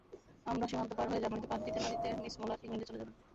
আমরা সীমান্ত পার হয়ে জার্মানীতে পা দিতে না দিতে মিস মূলার ইংলণ্ডে চলে যাবেন।